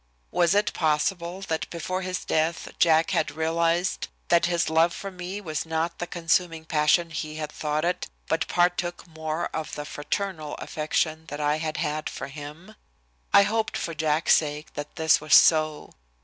Was it possible that before his death Jack had realized that his love for me was not the consuming passion he had thought it, but partook more of the fraternal affection that I had had for him? I hoped for Jack's sake that this was so.